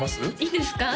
いいんですか？